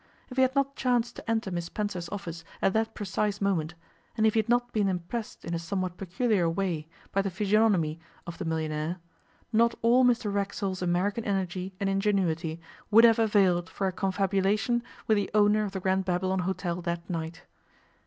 If he had not chanced to enter Miss Spencer's office at that precise moment, and if he had not been impressed in a somewhat peculiar way by the physiognomy of the millionaire, not all Mr Racksole's American energy and ingenuity would have availed for a confabulation with the owner of the Grand Babylon Hôtel that night.